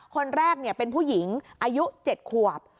คนแรกเป็นผู้หญิงอายุ๗ขวบ